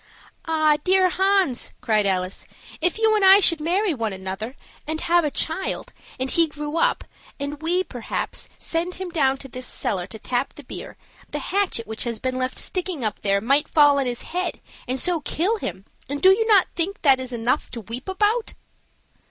"Ah, dear Hans!" cried Alice, "if you and I should marry one another, and have a child, and he grew up, and we, perhaps, send him down to this cellar to tap the beer, the hatchet which has been left sticking up there may fall on his head, and so kill him; and do you not think this is enough to weep about?"